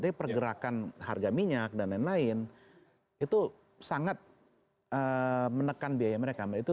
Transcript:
tapi pergerakan harga minyak dan lain lain itu sangat menekan biaya mereka mbak